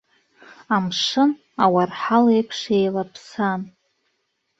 Амшын ауарҳал еиԥш еилаԥсан.